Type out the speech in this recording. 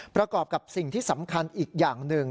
ประกอบกับสิ่งที่สำคัญอีกอย่างหนึ่ง